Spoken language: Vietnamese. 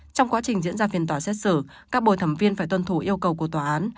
trong quá trình diễn ra phiên tòa xét xử các bồi thẩm viên phải tuân thủ yêu cầu của tòa án